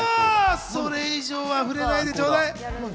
それ以上は触れないでちょうだい！